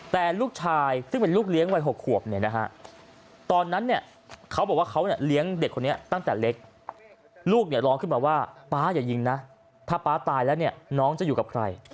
แต่ลูกชายซึ่งเป็นลูกเลี้ยงวัย๖ขวบ